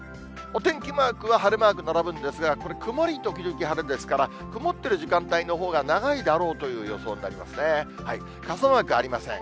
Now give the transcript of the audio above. お天気マークは晴れマーク並ぶんですが、これ、曇り時々晴れですから、曇ってる時間帯のほうが長いだろうという予想になりますね。